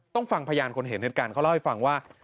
ต้องฟังพยานคนเห็นเหตุการณ์เขาเล่าให้ฟังว่า